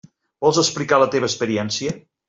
Vols explicar la teva experiència?